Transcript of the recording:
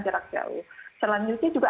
jarak jauh selanjutnya juga